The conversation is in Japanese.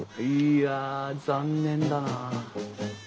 いや残念だなあ。